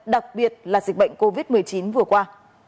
đặc biệt là dịch bệnh covid một mươi chín vừa qua